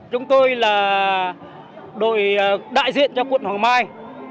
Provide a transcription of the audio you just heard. chúng tôi là đội đại diện cho quận hoàng mai